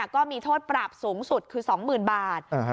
ก็มีโทษปรับสูงสุดคือ๒๐๐๐บาท